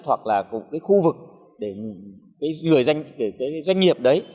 hoặc là một cái khu vực để người doanh nghiệp đấy